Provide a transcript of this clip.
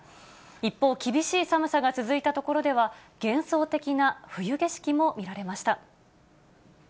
一方、厳しい寒さが続いた所では、幻想的な冬景色も見られました。